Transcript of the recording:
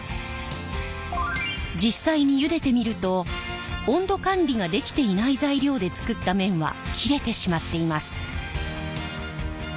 実際にゆでてみると温度管理ができていない材料で作った麺は切れてしまっています。